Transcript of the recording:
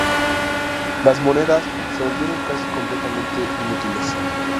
Las monedas se volvieron casi completamente inútiles.